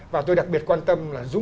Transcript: và tôi đặc biệt quan tâm